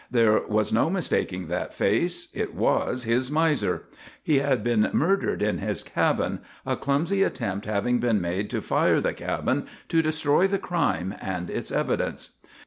There was no mistaking that face. It was his miser. He had been murdered in his cabin, a clumsy attempt having been made to fire the cabin to destroy the crime and its evidence.